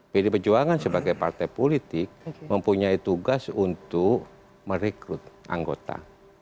jadi pejuangan sebagai partai politik mempunyai tugas untuk merekrut anggota